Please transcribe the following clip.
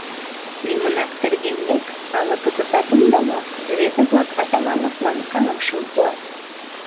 — Лӱмынак терген лек, ала кызытат ондала, — рвезе-влак Атамановлан каҥашым пуат.